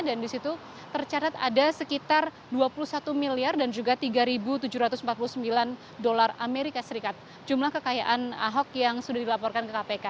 dan di situ tercatat ada sekitar dua puluh satu miliar dan juga tiga tujuh ratus empat puluh sembilan dolar as jumlah kekayaan ahok yang sudah dilaporkan ke kpk